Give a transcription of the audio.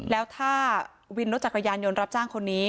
แล้วถ้าวินรถจักรยานยนต์รับจ้างคนนี้